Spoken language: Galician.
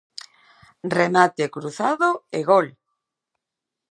Remate cruzado e gol.